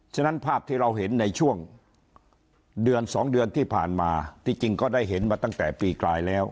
ฉะนั้นภาพที่เราเห็นในช่วงเดือน๒เดือนที่ผ่านมาที่จริงก็ได้เห็นมาตั้งแต่ปีกลายแล้ว